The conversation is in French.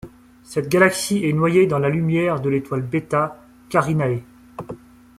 Cette galaxie est noyée dans la lumière de l'étoile Beta Carinae.